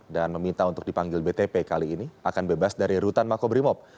dan meminta untuk dipanggil btp kali ini akan bebas dari rutan mako brimob